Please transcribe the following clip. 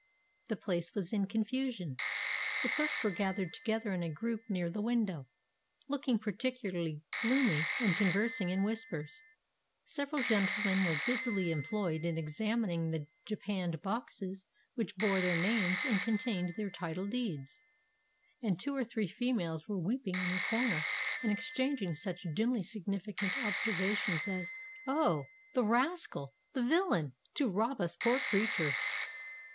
The place was in confusion. The clerks were gathered together in a group near the window, looking particularly gloomy, and conversing in whispers;—several gentlemen were busily employed in examining the japanned boxes which bore their names and contained their title deeds;—and two or three females were weeping in a corner, and exchanging such dimly significant observations as—"Oh! the rascal!"—"The villain!"—"To rob us poor creatures!"